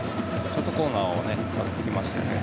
ショートコーナーを使ってきましたね。